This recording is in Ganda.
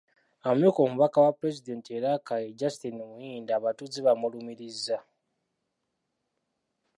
Amyuka omubaka wa Pulezidenti e Rakai, Justine Muhindo abatuuze bamulumirizza.